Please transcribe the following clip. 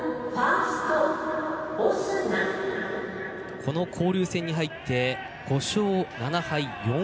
この交流戦に入って５勝７敗